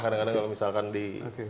kadang kadang kalau misalkan di